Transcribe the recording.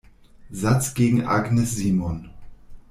Satz gegen Agnes Simon.